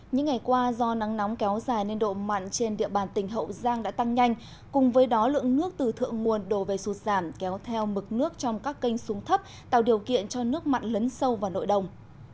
những ngày qua do nắng nóng kéo dài nên độ mặn trên địa bàn tỉnh hậu giang đã tăng nhanh cùng với đó lượng nước từ thượng nguồn đổ về sụt giảm kéo theo mực nước trong các kênh xuống thấp tạo điều kiện cho nước mặn lấn sâu vào nội đồng